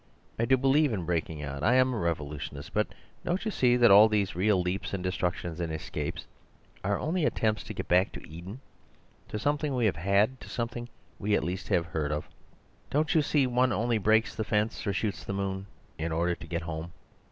I do believe in breaking out; I am a revolutionist. But don't you see that all these real leaps and destructions and escapes are only attempts to get back to Eden— to something we have had, to something we at least have heard of? Don't you see one only breaks the fence or shoots the moon in order to get HOME?